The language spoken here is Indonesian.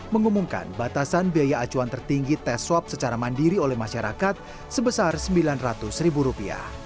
mengumumkan batasan biaya acuan tertinggi tes swab secara mandiri oleh masyarakat sebesar rp sembilan ratus